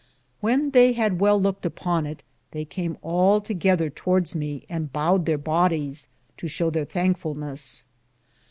When thei had well louked upon it, they came altogether towardes me and bowed there bodies, to show ther thankfulnes.